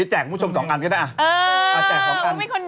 พี่แจ้งคุณผู้ชม๒อันก็ได้เออมาแจ้ง๒อัน